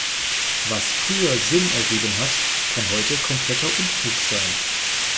Was früher Sinn ergeben hat, kann heute kompletter Unfug sein.